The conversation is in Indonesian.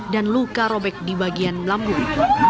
dan luka robek di bagian lambung